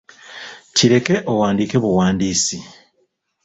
Kireke owandiike buwandiisi.